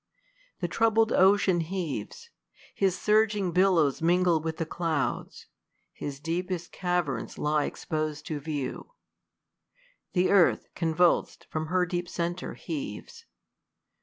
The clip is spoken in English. The troubled ocean heaves : His surging billows mingle with the clouds : His deepest caverns lie expos'd to view. The earth, convuls'd from her deep centre, heaves.